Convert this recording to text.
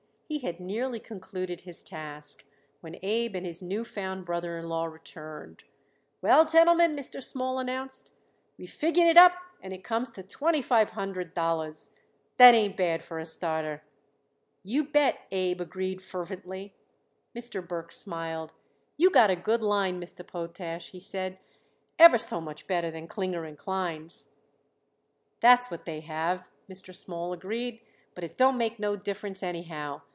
He had nearly concluded his task when Abe and his new found brother in law returned. "Well, gentlemen," Mr. Small announced, "we figured it up and it comes to twenty five hundred dollars. That ain't bad for a starter." "You bet," Abe agreed fervently. Mr. Burke smiled. "You got a good line, Mr. Potash," he said. "Ever so much better than Klinger & Klein's." "That's what they have," Mr. Small agreed. "But it don't make no difference, anyhow.